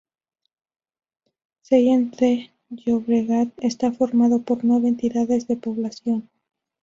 Sallent de Llobregat está formado por nueve entidades de población.